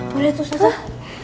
boleh tuh ustazah